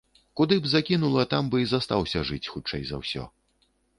Куды б закінула, там бы і застаўся жыць хутчэй за ўсё.